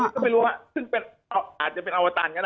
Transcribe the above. ก็ไม่รู้หรอกอาจจะเป็นโอนวัตตันก็ได้